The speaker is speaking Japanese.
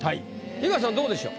東さんどうでしょう？